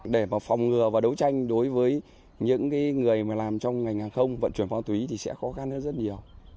để phòng ngừa và đấu tranh đối với những người mà làm trong ngành hàng không vận chuyển pháo túy thì sẽ khó khăn hơn rất nhiều